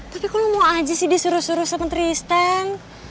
tapi kalau mau aja sih disuruh suruh sama tristan